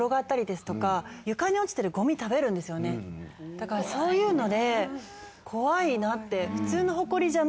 だからそういうので怖いなって。